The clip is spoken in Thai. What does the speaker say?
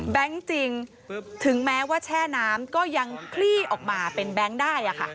จริงถึงแม้ว่าแช่น้ำก็ยังคลี่ออกมาเป็นแบงค์ได้